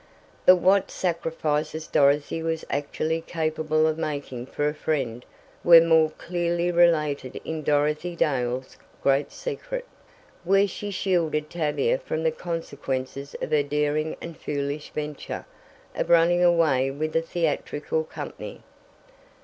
But what sacrifices Dorothy was actually capable of making for a friend were more clearly related in "Dorothy Dale's Great Secret," where she shielded Tavia from the consequences of her daring and foolish venture, of running away with a theatrical company.